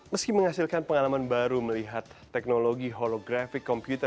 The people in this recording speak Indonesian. meski menghasilkan pengalaman baru melihat teknologi holographic computer